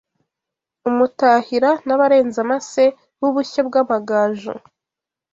Umutahira n’Abarenzamase b’ubushyo bw’amagaju